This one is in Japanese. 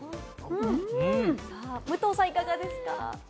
武藤さん、いかがですか？